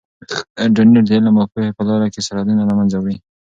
انټرنیټ د علم او پوهې په لاره کې سرحدونه له منځه وړي.